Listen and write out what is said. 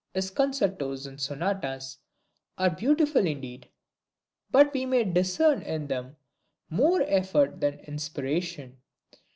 His Concertos and Sonatas are beautiful indeed, but we may discern in them more effort than inspiration.